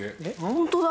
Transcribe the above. ホントだ！